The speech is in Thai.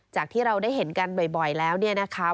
ที่เราได้เห็นกันบ่อยแล้วเนี่ยนะคะ